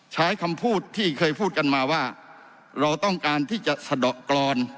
ใช้คำพูดที่เคยพูดกันมาว่าเราต้องการที่จะสะดอกกรอน